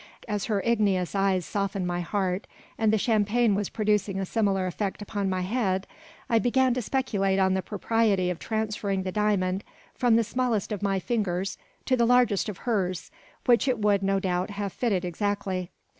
As her igneous eyes softened my heart, and the champagne was producing a similar effect upon my head, I began to speculate on the propriety of transferring the diamond from the smallest of my fingers to the largest of hers, which it would, no doubt, have fitted exactly.